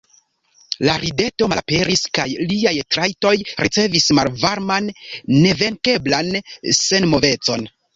La rideto malaperis, kaj liaj trajtoj ricevis malvarman, nevenkeblan senmovecon.